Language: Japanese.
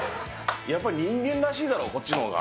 やっぱり、人間らしいだろ、こっちのほうが。